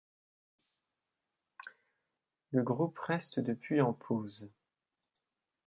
Le groupe reste, depuis, en pause.